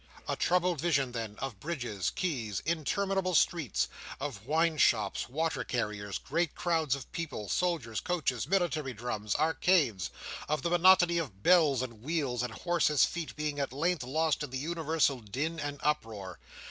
A troubled vision, then, of bridges, quays, interminable streets; of wine shops, water carriers, great crowds of people, soldiers, coaches, military drums, arcades. Of the monotony of bells and wheels and horses' feet being at length lost in the universal din and uproar.